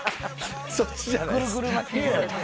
そっちじゃないです。